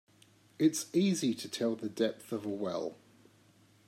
It's easy to tell the depth of a well.